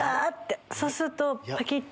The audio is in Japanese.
そうするとパキ！